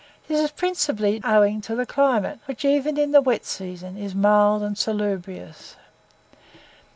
This is principally owing to the climate, which even in the wet season is mild and salubrious.